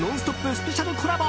スペシャルコラボ。